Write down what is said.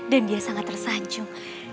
dan dia sangat tersancung